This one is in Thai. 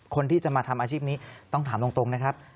คนที่จะมาทำอาชีพนี้ต้องถามตรงนะครับ